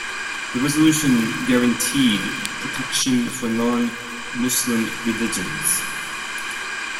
The resolution guaranteed protection for non-Muslim religions.